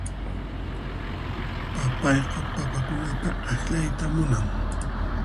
Papayqa papakunata akllayta munan.